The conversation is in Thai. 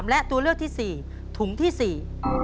และตัวเลือกที่๔ถุงที่๔